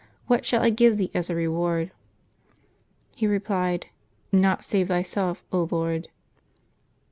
What shall I give thee as a reward?" he replied, "Naught save Thyself, Lord.'